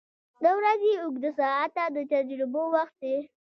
• د ورځې اوږده ساعته د تجربو وخت دی.